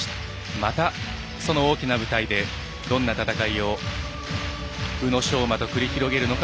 またその大きな舞台でどんな戦いを宇野昌磨と繰り広げるのか